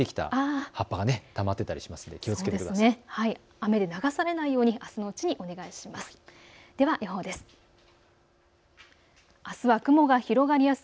雨で流されないようにあすのうちにお願いします。